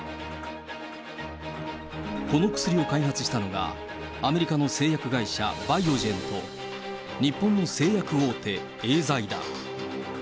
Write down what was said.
この薬を開発したのが、アメリカの製薬会社、バイオジェンと、日本の製薬大手、エーザイだ。